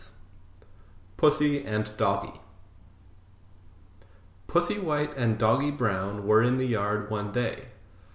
'" PUSSY AND DOGGY Pussy White and Doggy Brown were in the yard one day.